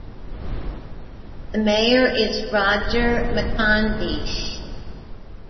The mayor is Roger McCondiche.